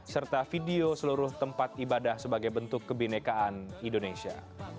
serta video seluruh tempat ibadah sebagai bentuk kebinekaan indonesia